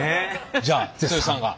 じゃあ剛さんが。